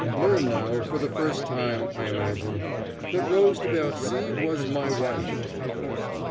Learn now, for the first time, I imagine, that Rose de Bercy was my wife."